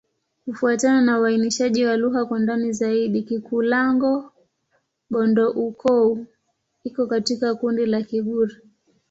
Kufuatana na uainishaji wa lugha kwa ndani zaidi, Kikulango-Bondoukou iko katika kundi la Kigur.